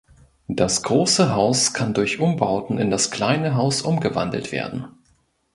Das Große Haus kann durch Umbauten in das Kleine Haus umgewandelt werden.